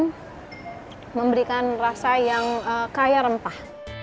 melihatnya merupakan rasa yang kaya rempah